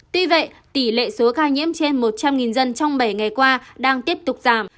tuy vậy tỷ lệ số ca nhiễm trên một trăm linh dân trong bảy ngày qua đang tiếp tục giảm